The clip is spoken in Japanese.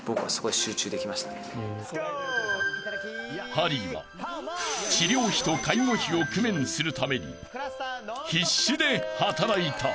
［ハリーは治療費と介護費を工面するために必死で働いた］